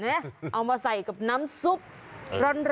เอามาใส่กับน้ำซุปร้อน